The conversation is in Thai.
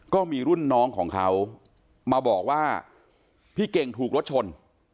ก็มีรุ่นน้องของเขามาบอกว่าพี่เก่งถูกรถชน